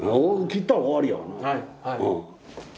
切ったら終わりやがな。